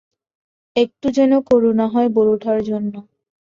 একটু যেন করুণা হল বুড়োটার জন্যে।